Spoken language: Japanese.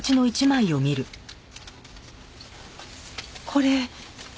これ。